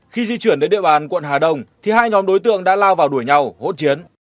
khi di chuyển đến địa bàn quận hà đông thì hai nhóm đối tượng đã lao vào đuổi nhau hỗn chiến